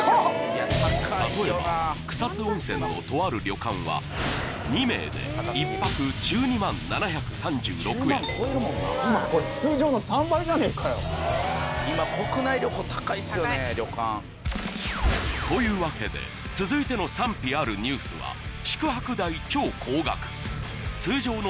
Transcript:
例えば草津温泉のとある旅館は２名で１泊というわけで続いての賛否あるニュースはまぁ。